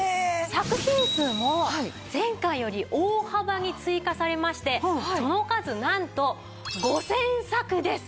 作品数も前回より大幅に追加されましてその数なんと５０００作です。